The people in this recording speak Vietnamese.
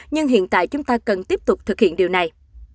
nhưng hiện tại chúng ta cần tiếp tục thực hiện điều này